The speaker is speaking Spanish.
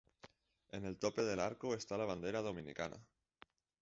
En el tope del arco esta la bandera dominicana.